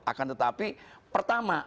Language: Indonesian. akan tetapi pertama